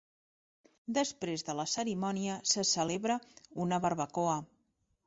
Després de la cerimònia se celebra una barbacoa.